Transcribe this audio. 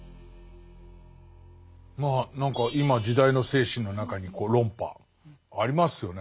まあ何か今時代の精神の中に論破ありますよね